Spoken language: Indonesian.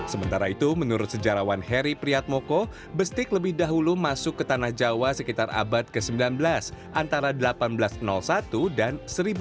sementara itu menurut sejarawan heri priyatmoko bestik lebih dahulu masuk ke tanah jawa sekitar abad ke sembilan belas antara seribu delapan ratus satu dan seribu sembilan ratus enam puluh